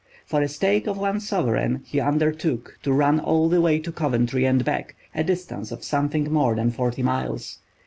For a stake of one sovereign he undertook to run all the way to Coventry and back, a distance of something more than forty miles.